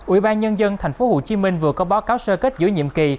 ủy ban nhân dân tp hcm vừa có báo cáo sơ kết giữa nhiệm kỳ